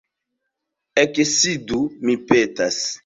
Eksidu, mi petas.